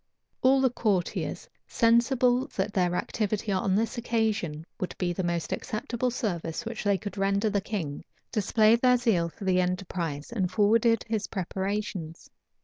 All the courtiers, sensible that their activity on this occasion would be the most acceptable service which they could render the king, displayed their zeal for the enterprise, and forwarded his preparations.